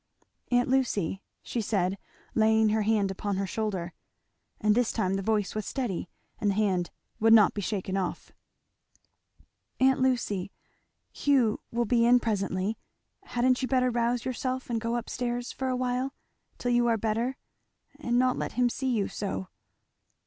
"Aunt Lucy," she said laying her hand upon her shoulder, and this time the voice was steady and the hand would not be shaken off, "Aunt Lucy, Hugh will be in presently hadn't you better rouse yourself and go up stairs for awhile? till you are better? and not let him see you so?